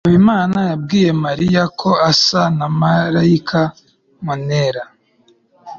habimana yabwiye mariya ko asa na marilyn monroe